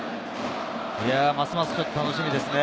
ますますちょっと楽しみですね。